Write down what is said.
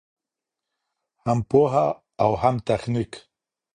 هم پوهه او هم تخنیک.